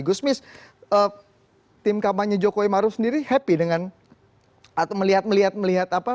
gusmis tim kamarnya jokowi maru sendiri happy dengan atau melihat melihat apa